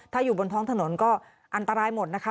ถ้าอยู่บนท้องถนนก็อันตรายหมดนะคะ